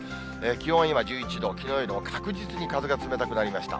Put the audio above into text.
気温は今１１度、きのうよりも確実に風が冷たくなりました。